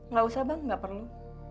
gak usah bang nggak perlu